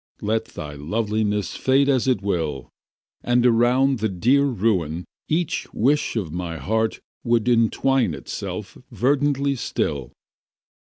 Let thy loveliness fade as it will. And around the dear ruin each wish of my heart Would entwine itself verdantly still.